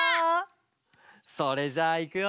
それじゃあいくよ！